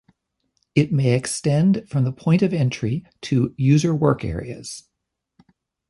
It may extend from the point-of-entry to user work areas.